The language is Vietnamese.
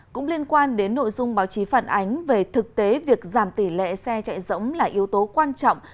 cũng liên quan đến nội dung báo chí phản ánh về thực tế việc giảm tỷ lệ xe chạy rỗng là yếu tố quan trọng